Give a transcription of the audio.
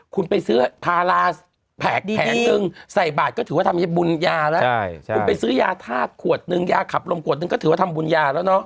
คุณไปซื้อพาลาแผกแผนนึงใส่บาตรก็ถือว่าทำบุญยาขุดนึงความบุญยาแล้วเนอะ